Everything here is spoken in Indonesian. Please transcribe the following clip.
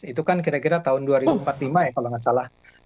itu kan kira kira tahun dua ribu empat puluh lima ya kalau nggak salah